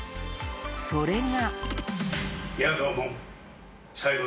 それが。